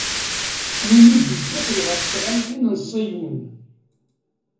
Win i d-ikkaten ɣef tɣaltin n Ṣiyun.